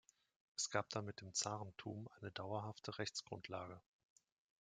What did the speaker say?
Es gab damit dem Zarentum eine dauerhafte Rechtsgrundlage.